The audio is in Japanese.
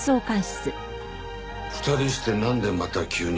２人してなんでまた急に？